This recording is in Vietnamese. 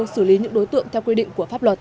xử lý những đối tượng theo quy định của pháp luật